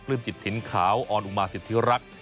จิตถิ่นขาวออนอุมาสิทธิรักษ์